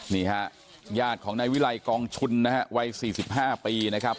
นี่ค่ะญาติของนายวิลัยกองชุนนะครับวัยสี่สิบห้าปีนะครับ